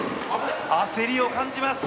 焦りを感じます。